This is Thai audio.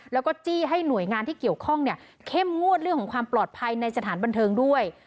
แล้วก็จี้ให้หน่วยงานที่เกี่ยวข้องเนี่ยเข้มงวดเรื่องของความปลอดภัยในสถานบันเทิงด้วย